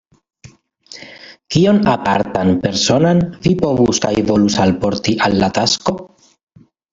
Kion apartan, personan, vi povus kaj volus alporti al la tasko?